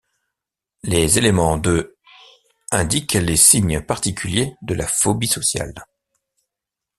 Les éléments de l' indiquent les signes particuliers de la phobie sociale.